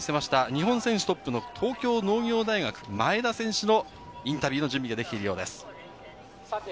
日本選手トップの東京農業大学・前田選手のインタビューの準備ができているようです。